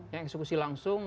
yang eksekusi langsung